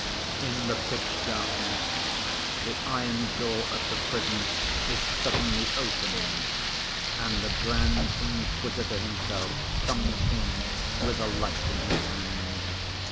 In the pitch darkness the iron door of the prison is suddenly opened and the Grand Inquisitor himself comes in with a light in his hand.